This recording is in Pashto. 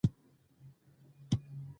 د هغه د خدماتو ستاینه یې وکړه.